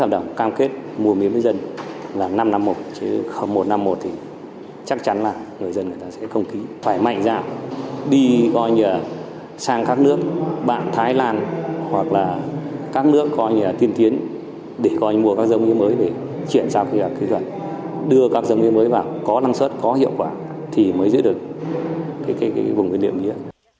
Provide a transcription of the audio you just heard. để có anh mua các dòng mía mới để chuyển sang cây trồng đưa các dòng mía mới vào có năng suất có hiệu quả thì mới giữ được vùng nguyên liệu mía